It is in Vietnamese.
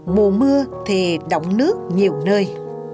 mùa mưa thì đọng nước nhiều nơi